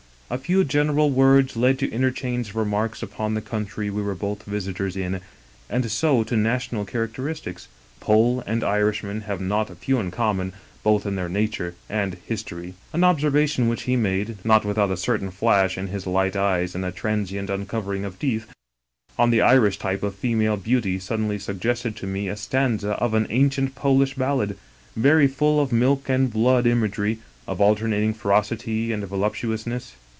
A few general words led to interchange of remarks upon the country we were both visitors in and so to national characteristics — Pole and Irishman have not a few in common, both in their nature and history. An observation which he made, not without a certain flash in his light eyes and a transient uncovering of the teeth, on the Irish type of female beauty suddenly suggested to me a stanza of an ancient Polish ballad, very full of milk and blood imagery, of alternating ferocity and voluptuousness.